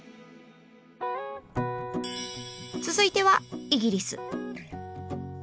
続いてはイギリス。